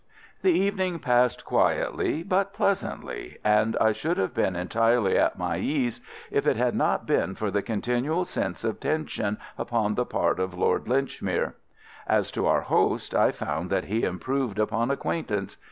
The evening passed quietly but pleasantly, and I should have been entirely at my ease if it had not been for that continual sense of tension upon the part of Lord Linchmere. As to our host, I found that he improved upon acquaintance.